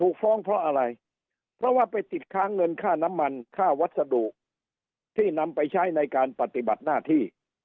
ฟ้องเพราะอะไรเพราะว่าไปติดค้างเงินค่าน้ำมันค่าวัสดุที่นำไปใช้ในการปฏิบัติหน้าที่